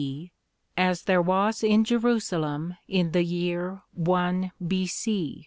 D., as there was in Jerusalem in the year 1 B.C.?